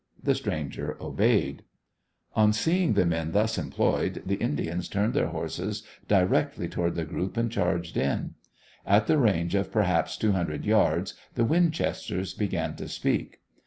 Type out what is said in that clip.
The stranger obeyed. On seeing the men thus employed, the Indians turned their horses directly toward the group and charged in. At the range of perhaps two hundred yards the Winchesters began to speak.